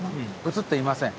写っていません。